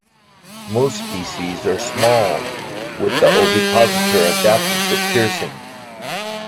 Most species are small, with the ovipositor adapted for piercing.